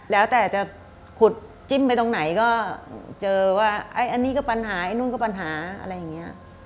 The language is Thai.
แล้วแต่จะขุดจิ้มไปตรงไหนก็เจอว่าอันนี้ก็ปัญหาไอ้นู่นก็ปัญหาอะไรอย่างนี้